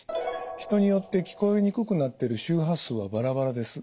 人によって聞こえにくくなってる周波数はバラバラです。